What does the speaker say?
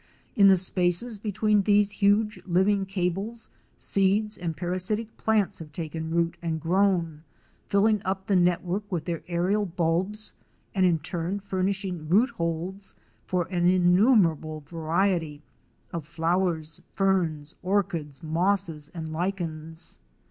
In the spaces between these huge living cables, seeds and para sitic plants have taken root and grown, filling up the net work with their aérial bulbs and in turn furnishing rootholds for an innumerable variety of flowers, ferns, orchids, mosses and lichens.